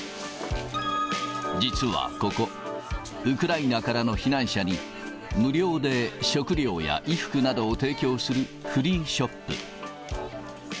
実はここ、ウクライナからの避難者に、無料で食料や衣服などを提供するフリーショップ。